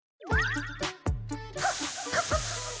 あっ。